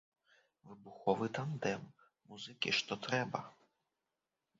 Выбуховы тандэм, музыкі што трэба!